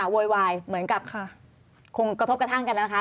โวยวายเหมือนกับคงกระทบกระทั่งกันนะคะ